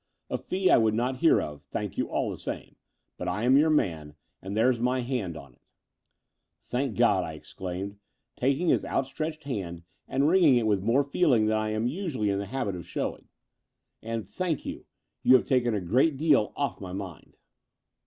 A fee I would not hear of, thank you all the same: but I am your man, and there's my hand on it." •'Thank God," I exclaimed, taking his out stretched hand and wringing it with more feeling than I am usually in the habit of showing — "and Between London and Clymping 115 thank you! You have taken a great weight off my mind."